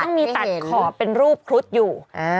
มันต้องมีตัดขอบเป็นรูปครุฑอยู่